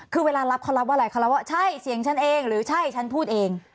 คือเวลารับเขารับว่าอะไรเขารับว่าใช่เสียงฉันเองหรือใช่ฉันพูดเอง